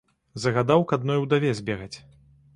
Загадаў к адной удаве збегаць.